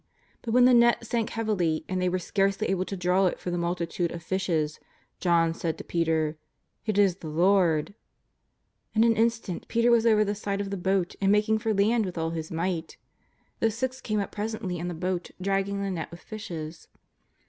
But when the net sank heavily, and they were scarcely able to draw it for the multitude of fishes, John said to Peter :" It is the Lord 1 " In an instant Peter was over the side of the boat and making for land with all his might. The six came up presently in the boat dragging the net with fishes.